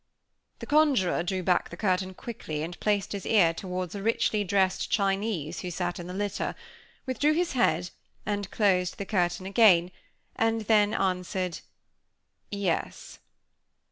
The conjuror drew back the curtain quickly, and placed his ear toward a richly dressed Chinese, who sat in the litter; withdrew his head, and closed the curtain again; and then answered: "Yes."